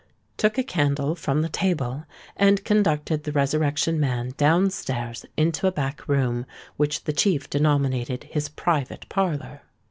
took a candle from the table, and conducted the Resurrection Man down stairs into a back room, which the Chief denominated his "private parlour."